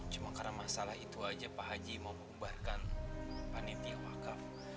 cuma karena masalah itu aja pak haji mau mengubarkan panitia wakaf